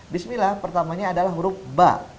bismillah pertamanya adalah huruf ba